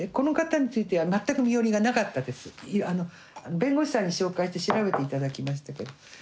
弁護士さんに照会して調べて頂きましたけど。